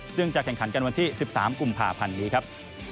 ซึ่งจะแข่งขันกันวันที่๑๓กุมภาพันธ์นี้ครับ